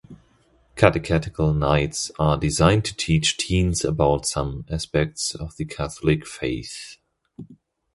Catechetical nights are designed to teach teens about some aspect of the Catholic faith.